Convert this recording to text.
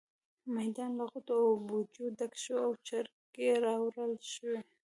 میدان له غوټو او بوجيو ډک شو او چرګې راوړل شوې.